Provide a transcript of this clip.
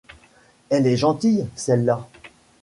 Elle est gentille, celle-là !